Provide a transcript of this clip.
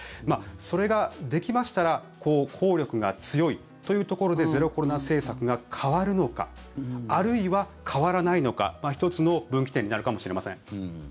それができましたら効力が強いというところでゼロコロナ政策が変わるのかあるいは変わらないのか１つの分岐点になるかもしれません。